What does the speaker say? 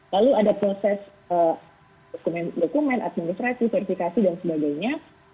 lalu ada proses dokumen administrasi verifikasi dan sebagainya